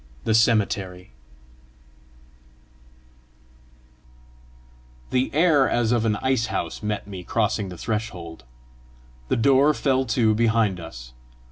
THE CEMETERY The air as of an ice house met me crossing the threshold. The door fell to behind us.